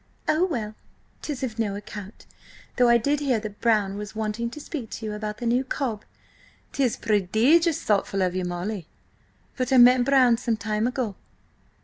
"Oh, well! 'tis of no account, though I did hear that Brown was wanting to speak to you about the new cob—" "'Tis prodigious thoughtful of you, Molly, but I met Brown some time ago."